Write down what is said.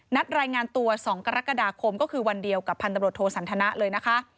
รายงานตัว๒กรกฎาคมก็คือวันเดียวกับพันตำรวจโทสันทนะเลยนะคะ